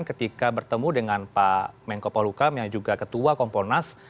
ketika bertemu dengan pak menko polhukam yang juga ketua komponas